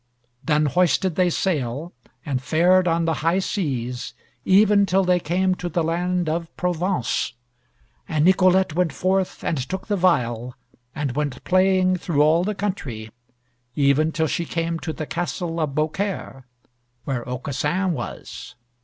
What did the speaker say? Then hoisted they sail, and fared on the high seas even till they came to the land of Provence. And Nicolette went forth and took the viol, and went playing through all the country, even till she came to the castle of Beaucaire, where Aucassin was.